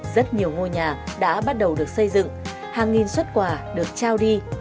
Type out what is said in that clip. rất nhiều ngôi nhà đã bắt đầu được xây dựng hàng nghìn xuất quà được trao đi